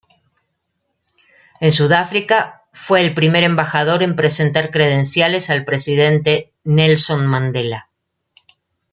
En Sudáfrica fue el primer embajador en presentar credenciales al presidente Nelson Mandela.